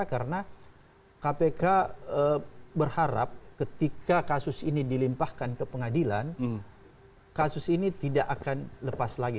karena kpk berharap ketika kasus ini dilimpahkan ke pengadilan kasus ini tidak akan lepas lagi